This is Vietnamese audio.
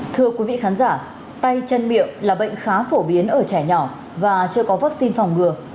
thưa quý vị khán giả tay chân miệng là bệnh khá phổ biến ở trẻ nhỏ và chưa có vaccine phòng ngừa